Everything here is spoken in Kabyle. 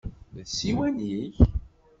D ssiwan-ik?